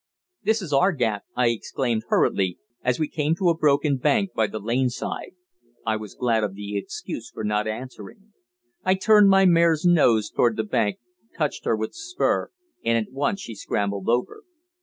"This is our gap," I exclaimed hurriedly, as we came to a broken bank by the lane side I was glad of the excuse for not answering. I turned my mare's nose towards the bank, touched her with the spur, and at once she scrambled over.